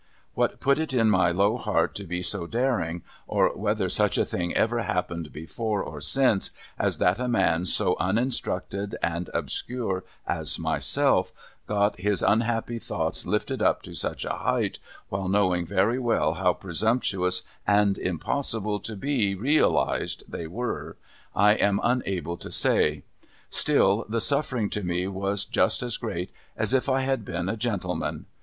AVhat put it in my low heart to be so daring, or whether such a thing ever happened before or since, as that a man so uninstructed and obscure as myself got his unhappy thoughts lifted up to such a height, while knowing very well how presumptuous and impossible to be realised they were, I am unable to say ; still, the suffering to me was just as great as if I had been a gentle man.